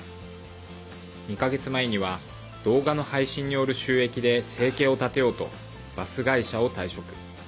２か月前には動画の配信による収益で生計を立てようとバス会社を退職。